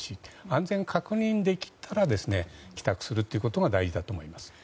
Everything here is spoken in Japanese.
安全が確認できたら帰宅するということが大事だと思います。